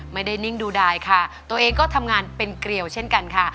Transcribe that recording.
นิ่งดูดายค่ะตัวเองก็ทำงานเป็นเกลียวเช่นกันค่ะ